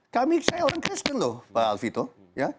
kami saya orang kristen loh pak alvita